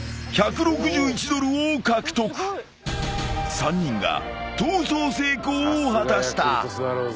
［３人が逃走成功を果たした］